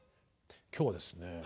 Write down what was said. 今日はですね